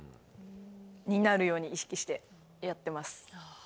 になるように意識してやってます。